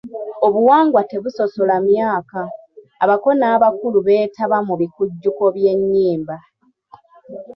Obuwangwa tebusosola myaka: abato n'abakulu beetaba mu bikujjuko by'ennyimba.